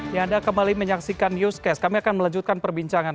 ya anda kembali menyaksikan newscast kami akan melanjutkan perbincangan